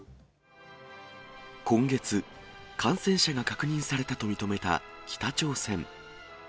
今月、感染者が確認されたと認めた北朝鮮。